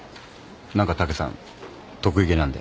何か武さん得意げなんで。